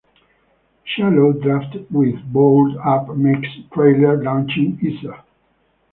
Shallow draft with board up makes trailer launching easier.